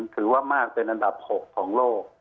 ถือว่ามากเป็นอันดับ๖ของโลก